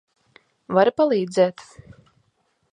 Vari palīdzēt?